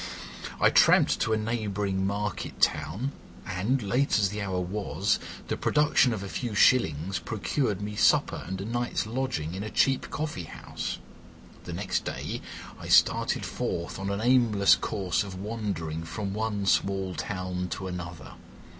I tramped to a neighbouring market town, and, late as the hour was, the production of a few shillings procured me supper and a night's lodging in a cheap coffee house. The next day I started forth on an aimless course of wandering from one small town to another.